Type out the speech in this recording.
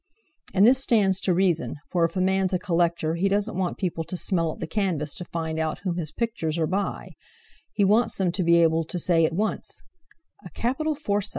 And this stands to reason, for if a man's a collector he doesn't want people to smell at the canvas to find out whom his pictures are by; he wants them to be able to say at once, 'A capital Forsyte!